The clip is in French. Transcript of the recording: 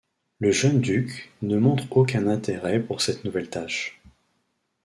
Le jeune duc ne montre aucun intérêt pour cette nouvelle tâche.